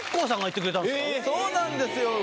ＩＫＫＯさんが行ってくれたそうなんですよ。